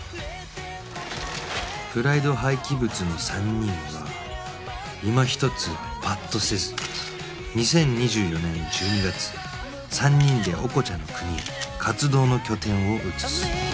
プライド廃棄物の３人はいま一つパッとせず２０２４年１２月３人でオコチャの国へ活動の拠点を移す